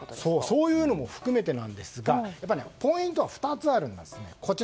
そういうのも含めてなんですがポイントは２つあるんです。